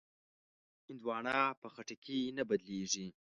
هندوانه په خټکي نه بدلېږي.